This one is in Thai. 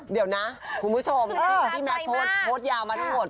เดี๋ยวนะคุณผู้ชมสิ่งที่แมทโพสต์ยาวมาทั้งหมด